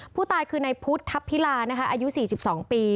ผู้ตายคือในพุทธทัพพิลานะคะอายุ๔๒ปี